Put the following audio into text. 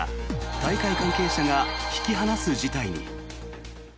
大会関係者が引き離す事態に。